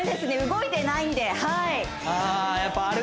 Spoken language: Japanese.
動いてないんではいあ